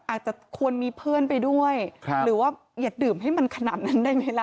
อาจจะควรมีเพื่อนไปด้วยหรือว่าอย่าดื่มให้มันขนาดนั้นได้ไหมล่ะ